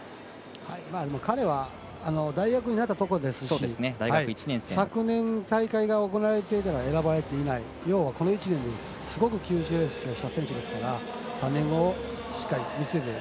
彼は大学出たところですし昨年、大会が行われていたら選ばれていない要はこの１年すごく急成長した選手ですから３年後をしっかり見据えて。